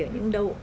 ở những đâu